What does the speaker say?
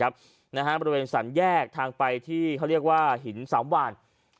บริเวณสรรแยกทางไปที่เขาเรียกว่าหินสามหวาน